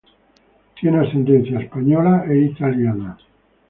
Tiene ascendencia española e italiana.